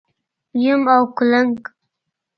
🪏 یوم او کولنګ⛏️